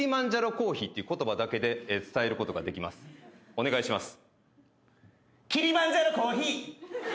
お願いします。